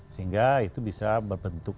sehingga itu bisa berbentuk